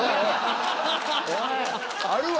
あるわ！